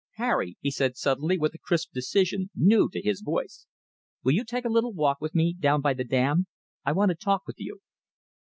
"Harry," he said suddenly with a crisp decision new to his voice, "will you take a little walk with me down by the dam. I want to talk with you."